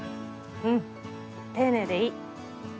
うん丁寧でいい。